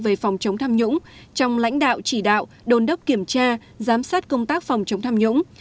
về phòng chống tham nhũng trong lãnh đạo chỉ đạo đồn đốc kiểm tra giám sát công tác phòng chống tham nhũng